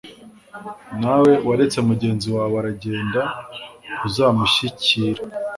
nawe waretse mugenzi wawe aragenda, ntuzamushyikira